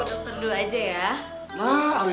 tunggu dokter dulu aja ya